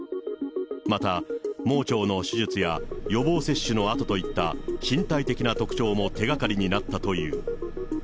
また、盲腸の手術や予防接種の痕といった身体的な特徴も手がかりになったという。